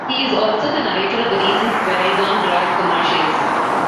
He is also the narrator of the recent Verizon Droid commercials.